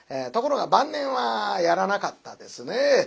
ところが晩年はやらなかったですね。